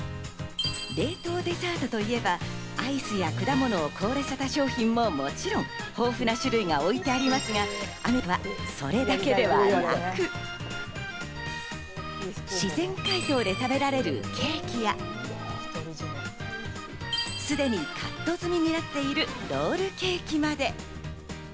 冷凍デザートといえばアイスや果物を凍らせた商品ももちろん、豊富な種類が置いてありますが、アミカはそれだけではなく、自然解凍で食べられるケーキや、すでにカット済みになっているロールケーキまで。